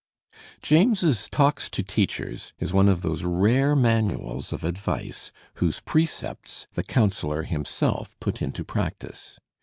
James's "Talks to Teachers" is one of those rare manuals of advice whose precepts the counsellor himself put into practice.